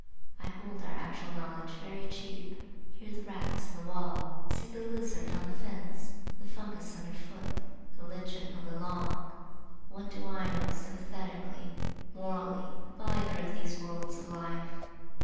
I hold our actual knowledge very cheap. Hear the rats in the wall, see the lizard on the fence, the fungus under foot, the lichen on the log. What do I know sympathetically, morally, of either of these worlds of life?